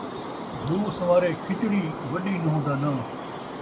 گھیو سن٘وارے کھچڑی ، وݙی نون٘ہہ دا ناں